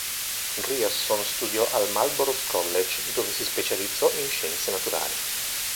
Grierson studiò al Marlborough College, dove si specializzò in scienze naturali.